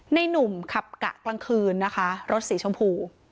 หนุ่มขับกะกลางคืนนะคะรถสีชมพู